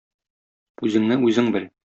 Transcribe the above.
Үзеңне үзең бел!